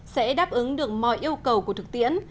sẽ đáp ứng được mọi yêu cầu của thực tiễn